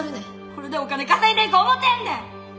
これでお金稼いでいこう思てんねん！